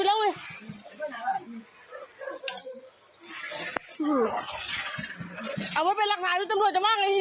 เอามาเป็นข้ารักษาผู้จับบ้าตัวจะมั่นไอ้นี่แน่